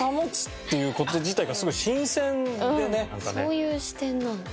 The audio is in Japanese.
そういう視点なんだ。